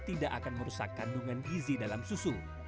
tidak akan merusak kandungan gizi dalam susu